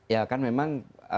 ya kan memang